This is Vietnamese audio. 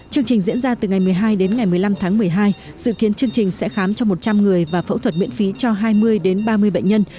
chương trình diễn ra từ ngày một mươi hai đến ngày một mươi năm tháng một mươi hai dự kiến chương trình sẽ khám cho một trăm linh người và phẫu thuật miễn phí cho hai mươi đến ba mươi bệnh nhân